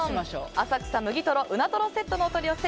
浅草むぎとろうなとろセットのお取り寄せ。